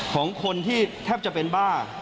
ของคนที่แทบจะเป็นบ้า